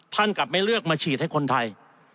ท่านก็ไม่เลือกมาฉีดคนไทย